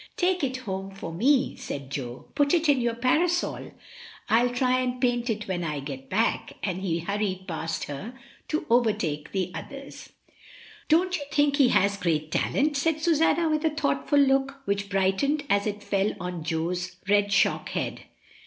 "Take it home for me," said Jo; "put it in your parasol. FU try and paint it when I get back," and he hurried past her to overtake the others. "Don't you think he has great talent?" said Susanna, with a thoughtful look, which brightened as it fell on Jo's red shock head.